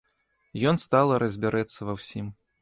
Ён стала разбярэцца ва ўсім.